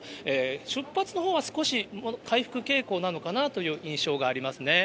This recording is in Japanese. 出発のほうは少し回復傾向なのかなという印象がありますね。